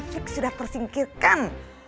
rafiq sudah tersingkirkan